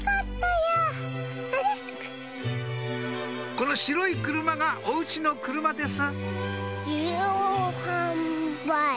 この白い車がお家の車です